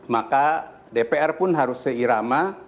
maka dpr pun harus seirama